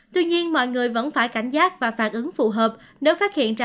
tuy nhiên mọi người vẫn phải cảnh giác và phản ứng phù hợp nếu phát hiện ra